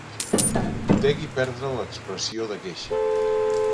Degui perdre l'expressió de queixa.